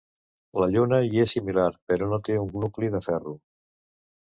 La Lluna hi és similar, però no té un nucli de ferro.